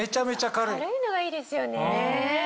軽いのがいいですよね。